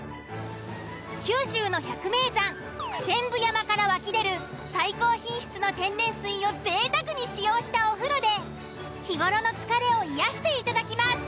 九州の百名山九千部山から湧き出る最高品質の天然水を贅沢に使用したお風呂で日頃の疲れを癒やしていただきます。